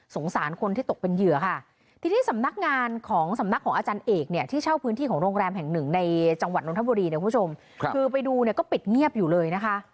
สารคนที่ตกเป็นเหยื่อค่ะทีนี้สำนักงานของสำนักของอาจารย์เอกเนี่ยที่เช่าพื้นที่ของโรงแรมแห่งหนึ่งในจังหวัดนทบุรีเนี่ยคุณผู้ชมคือไปดูเนี่ยก็ปิดเงียบอยู่เลยนะคะ